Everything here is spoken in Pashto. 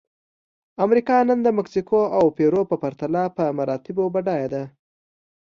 امریکا نن د مکسیکو او پیرو په پرتله په مراتبو بډایه ده.